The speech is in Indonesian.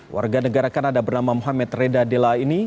warga negara kanada bernama mohamed reda dela ini